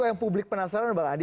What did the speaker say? itu yang publik penasaran mbak adi